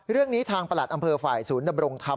เรื่องนี้ทางประหลัดอำเภอฝ่ายศูนย์ดำรงธรรม